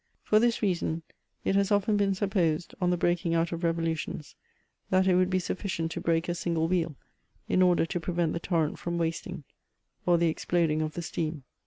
For this reason, it has often been supposed, on the breaking out of revolutions, that it would be sufficient to break a single wheel in order to prevent the torroit from wasting, or the exploding of the steam.